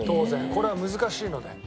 これは難しいので。